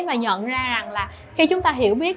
và nhận ra rằng là khi chúng ta hiểu biết